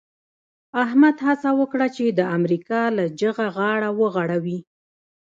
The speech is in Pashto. احمد هڅه وکړه چې د امریکا له جغه غاړه وغړوي.